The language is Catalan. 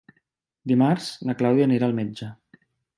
Dimarts na Clàudia anirà al metge.